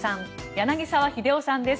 柳澤秀夫さんです。